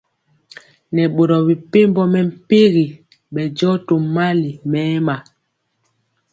Nɛ boro mepempɔ mɛmpegi bɛndiɔ tó mali mɛma.